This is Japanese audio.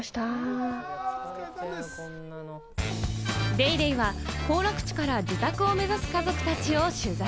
『ＤａｙＤａｙ．』は行楽地から自宅を目指す家族たちを取材。